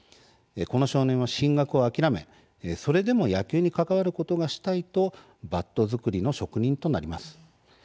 この少年は進学を諦めそれでも野球に関わることがしたいとバット作りの職人となります。